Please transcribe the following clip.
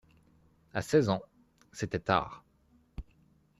À seize ans, c'était tard.